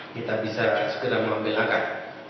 kita bisa segera mengambil angkat